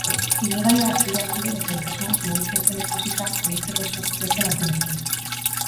Ibilgailua astiro-astiro eta zailtasunez mugitzen zela ikusita, gelditzeko eskatu zioten agenteek.